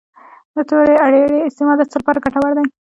د تورې اریړې استعمال د څه لپاره ګټور دی؟